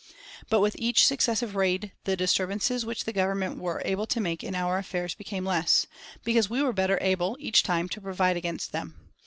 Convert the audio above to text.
But with each successive raid the disturbances which the Government were able to make in our affairs became less, because we were better able, each time, to provide against them.